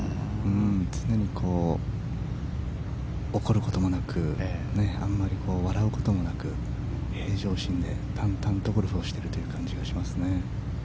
常に怒ることもなくあまり笑うこともなく平常心で淡々とゴルフをしている感じがします。